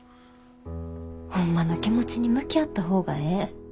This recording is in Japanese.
ホンマの気持ちに向き合った方がええ。